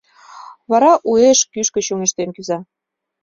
Вара уэш кӱшкӧ чоҥештен кӱза.